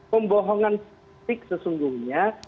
pembohongan spik sesungguhnya